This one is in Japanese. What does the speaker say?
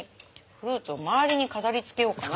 フルーツを周りに飾りつけよう。